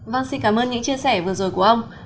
vâng xin cảm ơn những chia sẻ vừa rồi của ông